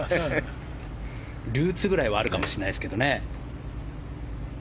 ルーツぐらいはあるかもしれないですけどね。